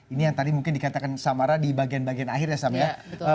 ini yang tadi mungkin dikatakan samara di bagian bagian akhir ya sama ya